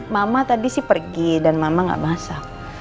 mama tadi sih pergi dan mama nggak masak